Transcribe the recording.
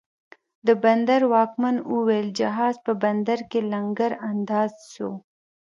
د بندر واکمن اوویل، جهاز په بندر کې لنګر انداز سو